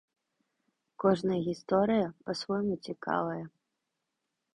Кожная гісторыя па-свойму цікавая.